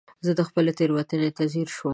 زه خپلې تېروتنې ته ځير شوم.